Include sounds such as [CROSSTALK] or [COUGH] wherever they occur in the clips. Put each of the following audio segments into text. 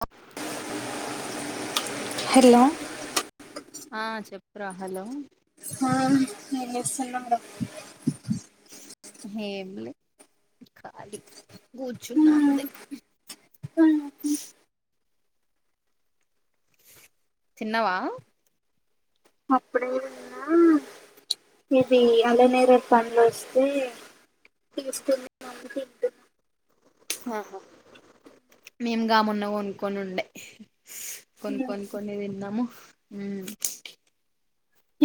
అ hello ఆ చెప్పురా hello ఆ ఏం చేస్తున్నావురా ఎమ్లే ఖాళీ కూర్చున్న అంతే తిన్నవా అప్పుడే ఇది అల్లనేరేడు పండ్లు వస్తే తీసుకున్న మమ్మీ తింటుంది ఆహా మేము గా మొన్న కొనుక్కొని ఉండే కొను కొనుకొని దిన్నాము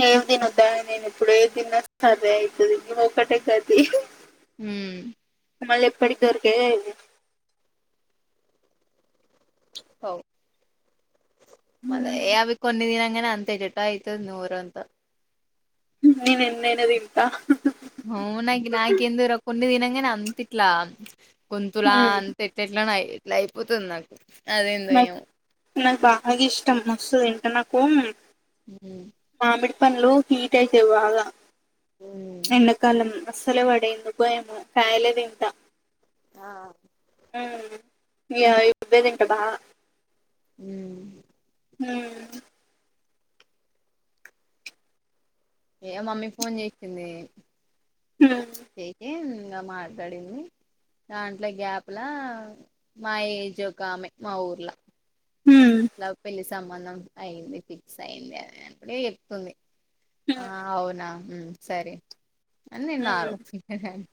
ఏం తినద్దాయే నేను ఇప్పుడు ఏది తిన్న సర్దే అయితది ఒక్కటే గతి హ మళ్ళ ఎప్పటికి దొరికాయి కదా ఇవి ఏ అవి కొన్ని తిన అ అంత ఏటట్టనో అయితది నోరంతా నేను ఎన్నైనా తింటా అవున నాకి ఎందొ రా కొన్ని దినంగానే అంత ఇట్లా గొంతుల అంత ఎట్ ఎట్లా ఎట్లా అయిపోతది నాకు అదేందో నా ఏమో నాకు బాగా ఇష్టం మస్తు తింటా నాకు ఉమ్ మామిడి పండ్లు హీట్ అయితయి బాగా ఉమ్ ఎండాకాలం అస్సలే పడేయి ఎందుకో ఏమో కాయలే తింటా ఆ యా ఇబ్బేదింటా బా ఊ ఊ ఏ మమ్మీ ఫోన్ చేసింది చేసి ఇంగ మాటాడింది దాంట్లో గ్యాప్ ల మా ఏజ్ ఒక ఆమె మా ఊర్లా లా పెళ్లి సంబంధం అయ్యింది ఫిక్స్ అయ్యింది అని అప్పుడే చెప్తుంది ఆ అవునా ఉమ్ సరే అని నేను [UNINTELLIGIBLE]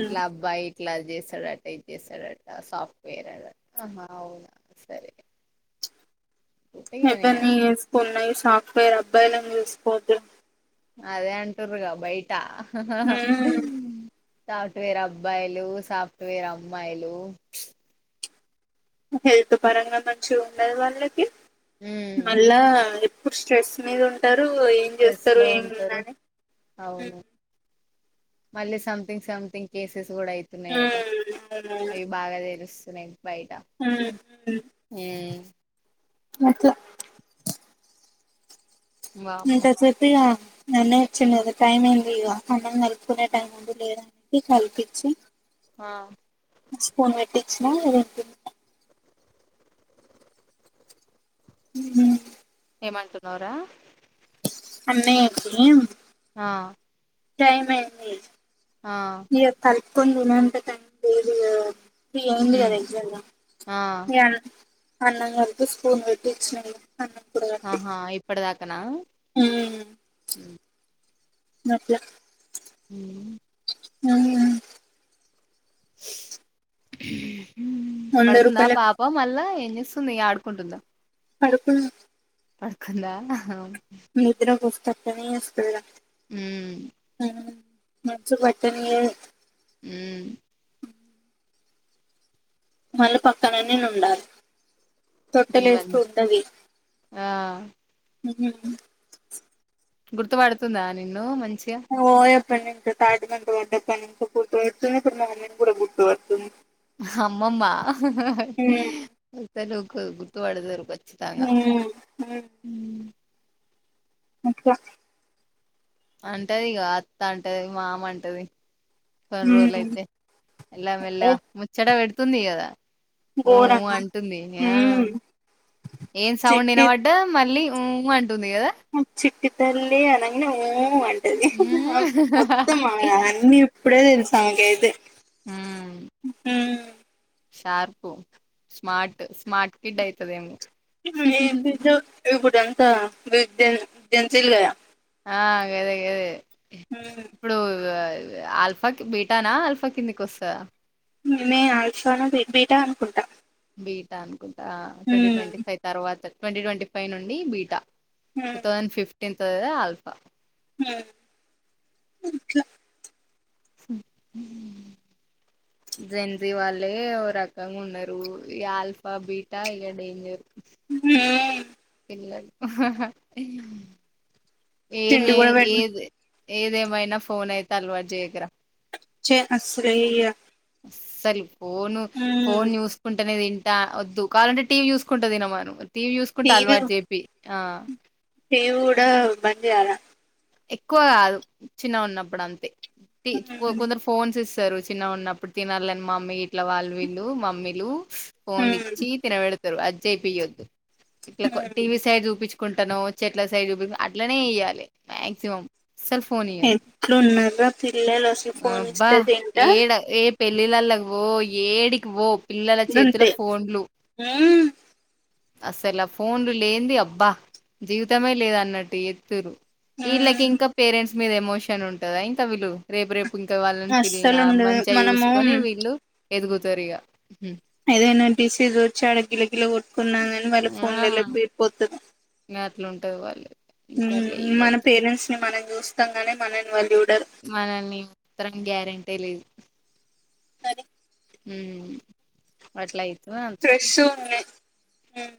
ఇట్లా అబ్బాయి ట్లా చేస్తాడట ఇది చేస్తాడట సాఫ్ట్వేర్ అహా అవునా సరే పుట్టిగాని ఇవ్వన్నీ చేసుకున్నాయి సాఫ్ట్వేర్ అబ్బాయిలను చూసుకోవద్దు అదే అంటుర్రుగా బయట హ్మ్. సాఫ్ట్వేర్ అబ్బాయిలు సాఫ్ట్వేర్ అమ్మాయిలు హెల్త్ పరంగా మంచిగ ఉండదు వాళ్ళకి మళ్ళా ఇప్ ప్పుడు స్ట్రెస్ మీద ఉంటారు ఏం స్ట్రెస్ చేస్తారు లో ఏం ఉంటారు ఉందని ఉమ్ అవును మళ్ళీ సంథింగ్ సంథింగ్ కేసెస్ కూడా అయితున్నాయట అయి బాగా తెలుసు తున్నాయి బయిట ఊ అట్ల వామ్మో ఎంత సేపు ఇగ నన్నే వచ్చింది కదా టైం అయ్యింది ఇగ సమంధం కలుపుకునే టైం ఉంది లేదనేది కల్పిచ్చి ఆ ఇచ్చి ఫోన్ పెట్టిచ్చినా [INAUDIBLE] ఊహూ ఏం అంటున్నవ్ రా అన్నయ్య ఇప్పుడేం ఆ త అయ్యింది ఆ ఇగ కలుపుకోని దినేంత టైం లేదుగా త్రీ అయ్యింది ఉమ్ కదా ఎగ్జామ్ లో ఆ మీ అన్ అన్నం కలిపి స్పూన్ పెట్టి ఇచ్చినా నేను ఆహా ఇప్పడి దాక నా ఊ మట్ల హ [UNINTELLIGIBLE] వంద పడుకుందా రూపాయలకి పాపం మళ్ళా ఇం ఇస్సుంది ఆడుకుంటుందా పడుకున్నా పడుకుందా నిద్రకు వస్తే అట్టనే ఏస్తదిరా ఊ మంచు బట్టనియ్యదు ఊ మళ్ళ పక్కన నేను ఉండాలి తొట్టల మం ఏస్తే ఉత్తది ఆ ఊ గుర్తుబడుతుందా నిన్ను మం ఓ య [INAUDIBLE] ఇప్పుడు మా మమ్మీని కూడా గుర్తు పడుతుంది అమ్మమ్మా హ్మ్ పడుతారు గుర్తు పడుతరు కొం మ్ మ్ ఇంకా అంటది ఇగ అత్త అంటది మామ అంటది పది రోజలు హ్మ్ అయితే మెల్లగా అంటే మెల్లగా ముచ్చట పెడుతుంది కదా మ్ మ్ ఘోరంగా అంటుంది హ్మ్ ఏం సౌండ్ చిట్టి వినబడ్డ మళ్ళీ మ్ మ్ అంటుంది కదా ట్టితళ్ళి అనంగానే మ్ అంటది మొత్తమన్ని అప్పుడే తెలుసు ఆమెకైతె హ్మ్ మ్ షార్పు స్మార్ట్ స్మార్ట్ కిడ్ అయితదేమో [UNINTELLIGIBLE] ఇప్పుడంత [UNINTELLIGIBLE] ఆ గదే గదె ఉమ్ ఇప్పుడు అ ఆల్ఫాకి బీటానా అల్ఫా కిందికి వస్తద మే ఆఫ్లస్న బీటా అనుకుంటాం బీటా అనుకుంటా అ ట్వంటీ ట్వంటీ ఫైవ్ తర్వాత ట్వంటీ ట్వంటీ ఫైవ్ నుండి beta two thousand fifteen the uh alpha మ్ స జెన్సీ వాళ్ళే ఓ రకంగా ఉన్నారు ఈ ఆల్ఫా బీటా ఇగ డేంజర్ హ్మ్ పిల్లలు తిండి ఏమే కూడా పెట్టిచ్చే ఎది ఏదేమైనా ఫోన్ అయితే అలవాటు చేయకురా చె అసలే చెయ్య అస్సలు ఫోను ఫోన్ చూసుకుంటనే తిం ట వద్దు కాలంటే టీవీ చూసుకుంటతినా మను టీవీ చూసుకుంట అలవాటు చెప్పియి ఆ టివి కూడా బంజేయాలె ఎక్కువ కాదు చిన్నగున్నప్పుడు అంతే హ్మ్ కొందరు ఫోన్స్ ఇస్ సరు చిన్నగున్నప్పుడు తినాలని మమ్మీ గిట్ల వాళ్ళు వీళ్ళ మమ్మిలు ఫోన్లు హ్మ్ ఇచ్చి తినబెడుతారు అది చేపిపోయొద్దు ఇట్లా హ్మ్ టీవీ సైడ్ చూపిచ్ కుంటనో చెట్ల సైడ్ చుపి అట్లనే వేయాలి మా్యాక్సిమం ఎట్లున్నర్ర అబ్బా ఏడా ఏ పెళ్ళిళ్ళళ్ళకు పో ఏడికి పో పిల్లల చేతుల గంతే ఫోన్లు హ్మ్ అస్సలు అ ఫోన్లు లేంది అబ్బా జీవితమే లేదన్నట్టు చేత్తుర్రు వీళ్ళకి హ్మ్ ఇంకా పేరెంట్స్ మీద ఎమోషన్ ఉంటదా ఇంకా వీళ్ళు రేపు రేపు ఇంకా వాళ్ళని పిల్ల అస్సలు ఉండదు మంచిగా మనము చూసుకొని వీళ్ళు ఎదుగుతారు ఇగ మ్ ఏదైనా డిసీజ్ వచ్చి ఆడగిిల గిల కొట్టుకున్నానని వాళ్ళ ఫోన్ళ్ళ ళ్ళ బిరిపోతరు గట్లుంటద్ వాళ్ళు అందుకే అట్లా మ్ మన చెయ్యొద్దు పేరెంట్స్ ని మనం చూస్తాం గాని మనల్ని వాళ్ళు చు మనల్ని మాత్రం గ్యారెంటే లేదు మరి మ్ అట్లయిత్ ఫ్రెష్ ఉన్నయ్ మ్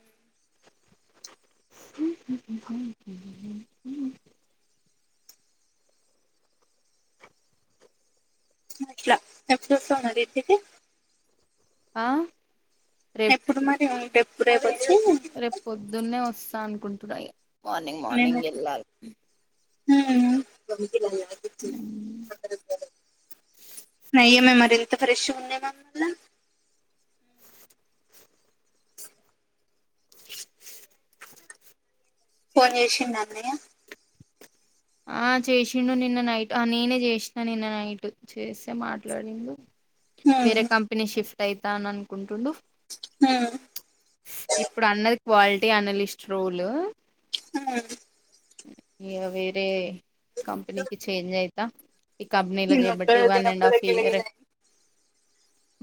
స అట్లా ఎప్పుడోస్తవ్ మరి ఇంటికి ఆ రేపు ఎప్పుడు మరి ఉంటే ఎప్పుడు రేపు వచ్చి రేపు పొద్దున్నే వస్తా అనుకుంటున్నాయి మార్నింగ్ మార్నింగ్ ఎళ్ళాలి ఉమ్మ్ నయమే మరి ఇంత ఫ్రెష్గా ఉంది ఏమె మల్ల ఫోన్ చేసిండా అన్నయ్య ఆ చేసిండు నిన్న నైట్ ఆ నేనే చేసినా నిన్న నైట్ చేస్తే మాట్లాడిండు వేరే హ్మ్ కంపెనీ షిఫ్ట్ అయితా అని అనుకుంటుండు హ్మ్ ఇప్పుడు అన్నది క్వాలిటీ అనలిస్ట్ రోలు ఉమ్మ్ ఇగ వేరే కంపెనీకి చేంజ్ అయితా ఈ కంపెనీలో చేబట్టి నేనొక్కడే వన్ అండ్ తినొక్కదే హాఫ్ ఇయర్ గిలగిల అయింది.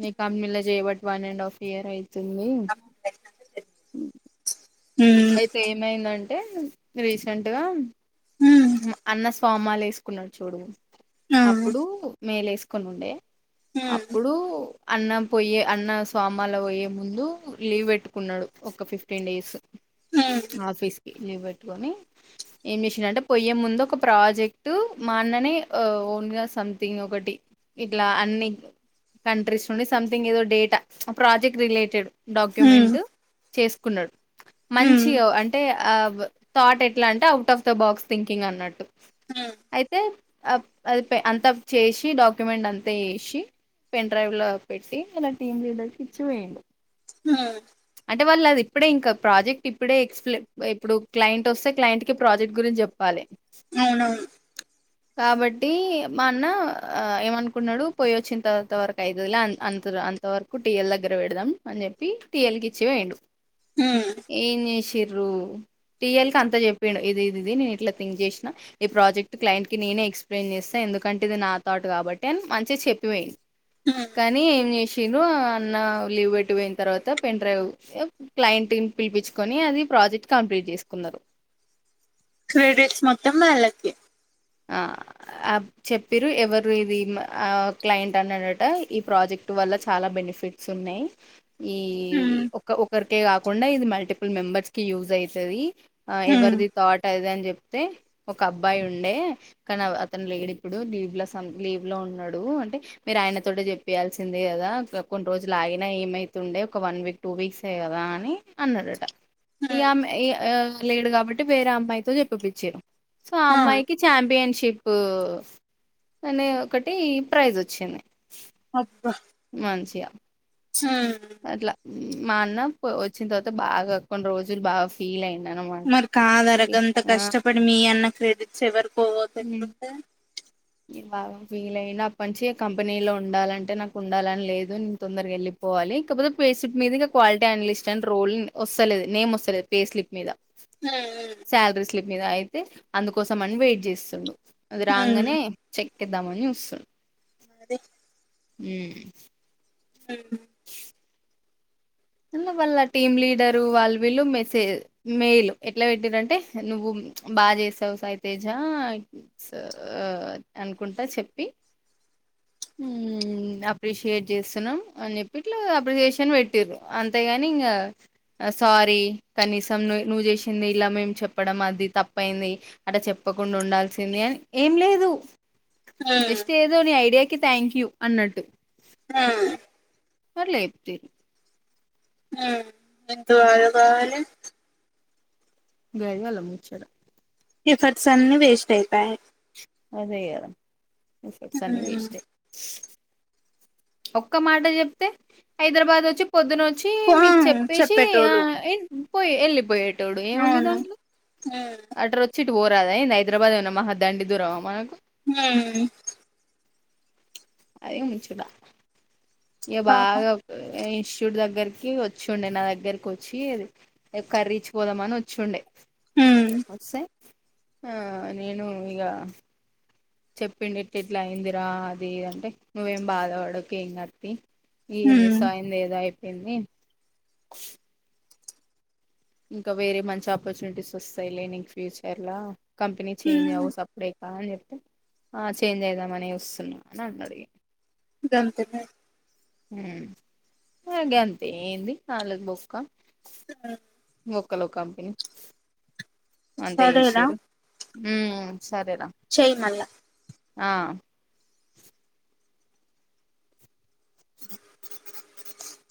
నీ కంపెనీలో చేయబట్టి వన్ అండ్ హాఫ్ ఇయర్ అయి తుంది అమ్మ పెట్టినాక తెలిసింది. హ్మ్ అయితే ఏమైందం టే రీసెంట్గా హ్మ్ అన్న స్వామిమాల వేసుకున్నాడు చూడు ఆ అప్పుడు మేలు ఏసుకొని ఉండే హ్మ్ అప్పుడు అన్న పోయే అన్న స్వామాల పోయే ముందు లీవ్ పెట్టుకున్నాడు ఒక ఫిఫ్టీన్ డేస్ హ్మ్ ఆఫీస్కి లీవ్ పెట్టుకొని ఏం చేసిండంటే పొయ్యే ముందు ఒక ప్రాజెక్ట్ మా అన్ననే ఓన్గా సంథింగ్ ఒకటి ఇట్లా అన్ని కంట్రీస్ నుండి సంథింగ్ ఏదో డేటా ప్రాజెక్ట్ రిలేటెడ్ డాక్యుమెంట్ హ్మ్ చేసుకున్నాడు హ్మ్ మంచిగా అంటే థాట్ ఎట్లా అంటే out of the box thinking అన్నట్టు హ్మ్ అయితే అది అంత చేసి డాక్యుమెంట్ అంతా చేసి పెన్ డ్రైవ్లో పెట్టి ఇలా టీమ్ లీడర్కి ఇచ్చి పోయిండు ఉమ్మ్ అంటే వాళ్ళు అది ఇప్పుడే ఇంకా ప్రాజెక్ట్ ఇప్పుడే ఎక్స్ప్ ఇప్పుడు క్లైంట్ వోస్తే క్లైంట్‌కి ప్రాజెక్ట్ గురించి చెప్పాలి అవునవును కాబట్టి మా అన్న ఆ ఏమనుకున్నాడు పోయి వచ్చిన తర్వాత వరకు అయితాదిలే అన్ అన్ అంత వరకు టీఎల్ దగ్గర పెడదాం అని చెప్పి టియల్ కి ఇచ్చి పోయిండు హ్మ్ ఏం చేసిర్రు టీఎల్ కి అంత చెప్పిండు ఇది ఇది నేను ఇట్లా థింక్ చేసిన ఈ ప్రాజెక్ట్ క్లైంట్ కి ననే ఎక్స్ప్లెయిన్ చేస్తా ఎందుకంటే ఇది నాథాట్ కాబట్టి అని మంచిగా చెప్పిపోయిండు హ్మ్ కానీ ఏం చేసిండ్రు అన్న లీవ్ పెట్టి పోయిన తర్వాత పెన్ డ్రైవ్ క్లయింట్ పిలిపిచుకొని అది ప్రాజెక్ట్ కంప్లీట్ చేసుకున్నారు కే ఆ ఆ చెప్పిరు ఎవరు ఇది ఆ క్లయింట్ అన్నాడట ఈ ప్రాజెక్ట్ వల్ల చాలా బెని ఫిట్స్ ఉన్నాయి ఈ హ్మ్ ఒక ఒకరికే కాకుండా ఇది మల్టిపుల్ మెంబర్స్కి యూజ్ అయి తాది ఆ హ్మ్ ఎవరిది ఈ థాట్ అదిఇది అని చెప్తే ఒక అబ్బాయి ఉండే కానీ అతను లేడు ఇప్పుడు లీవ్లో సమ్ లీవ్లో ఉన్నాడు అంటే మీరు ఆయన తోటే చెప్పేయాల్సింది కదా కొన్ని రోజులు ఆగిన ఏమైతుండే ఒక వన్ వీక్ టూ వీక్సే కదా అని అన్నాడట ఈ హ్మ్ అమె ఆ లేడు కాబట్టి వేరే అమ్మాయితో చెప్పపిచ్చిరు సో ఆ అమ్మాయికి చాంపియన్షిప్ అనే ఒకటి ప్రైజ్ వచ్చింది అబ్బా మంచిగా అట్లా ఉమ్మ్ మా అన్న వచ్చిన తర్వాత బాగా కొన్ని రోజులు బాగా ఫీల్ అయి మరి కాదర గంత కష్టపడి మీ అన్న క్రెడిట్స్ ఎవరి ఉమ్ య బాగా ఫీల్ అయినప్ప నుంచి ఇగ కంపెనీలో ఉండాలంటే నాకు ఉండాలని లేదు నేను తొందరగా వెళ్ళిపోవాలి. కాపోతే ఫేస్లిప్ మీదుగా క్వాలిటీ అనాలలిస్ట్ అండ్ రోల్ వస్సలేదు నేమ్ వస్సలేదు పేస్లిప్ మీద [UNINTELLIGIBLE] [UNINTELLIGIBLE] మీద అయితే అందుకోసం అని వెయిట్ చేస్సుండు అది హ్మ్ రాంగానే హ్మ్ చెక్ తెద్దామని వస్సు అదే హ్మ్ ఉమ్ ఇంగ వాళ్ళ టీమ్ లీడరు వాళ్ళు వీళ్ళు మెసేజ్ మెయిల్ ఎట్ల పెట్టిర్రంటే నువ్వు ప్చ్ బాగ చేసావు సాయితేజ [UNINTELLIGIBLE] అనుకుంటా చెప్పి ఉమ్ అప్రిషియేట్ చేస్తున్నాం అని చెప్పిట్లా అప్రిజేషన్ పెట్టిర్రు అంతేగాని ఇంగా ఆ సారీ కనీసం ను నువ్వు చేసింది ఇలా మేము చెప్పడం అ దితప్పయింది అట చెప్పకుండా ఉండాల్సింది అని ఏం లేదు హ్మ్ జస్ట్ ఏదో నీ ఐడియాకి థ్యాంక్ యూ అన్నట్టు ఆ అట్లేప్తే ఆ ఎంత బాధ కావాలే గైంది వాళ్ళ ముచ్చట ఎఫర్ట్స్ అన్నీ వేస్ట్ అయిపాయ్ అదే కదా ఎఫర్ట్స్ అన్నీ హ్మ్ వేస్టే ఒక్క మాట చెప్తే హైదరాబాద్ వచ్చి పొద్దున వ చ్చీ పో మీకు చెప్పేసి చెప్పేటోళ్ళు [UNINTELLIGIBLE] పోయి వెళ్ళిపోయేటోడు ఏముంది దాంట్లో హా టుపోరాదే హైదరాబాద్ ఏమన్నా మహాదండి దూరమా మనకు హవున్ అది ముచ్చట ఇగ బాగ పాపం [UNINTELLIGIBLE] శివుడి దగ్గరికి వచ్చుండే నా దగ్గరకి వచ్చి ఏ కర్రీచ్చి పోదామని వచ్చుండే హ్మ్ వస్సే ఆ నేను ఇంగ చెప్పిండు ఇట్ ఇట్లా అయిందిరా అది అంటే నువ్వేం బాధవడుకు ఏం గాద్ తీ ఏం హ్మ్ చేస్సావ్ అయింది ఏదో అయిపోయింది ప్చ్ ఇంకా వేరే మంచి ఆపర్చునిటీస్ వస్సాయిలే నీకు ఫ్యూచర్ లో కంపెనీ చేంజ్ హ్మ్ అవు సప్పుడేకా అని చెప్పు ఆ చే చేంజ్ అయిదామనే చుస్సున్నా అన్నది గంతేగా హ్మ్ ఆ గంతే ఏంది ఆళ్ళకు బొక్క హ్మ్ బొక్కలో కంపెనీ అంత చేషిరు ఉమ్ సరేరా చేయ్ మళ్ళా ఆ